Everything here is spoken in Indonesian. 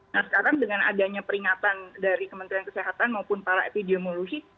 nah sekarang dengan adanya peringatan dari kementerian kesehatan maupun para epidemiologi